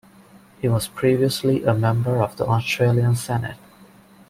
He was previously a member of the Australian Senate.